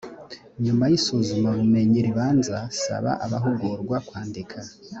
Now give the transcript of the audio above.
nyuma y isuzumabumenyi ribanza saba abahugurwa kwandika